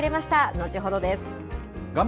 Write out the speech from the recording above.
後ほどです。